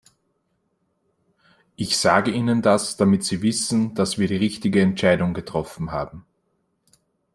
Ich sage Ihnen das, damit Sie wissen, dass wir die richtige Entscheidung getroffen haben.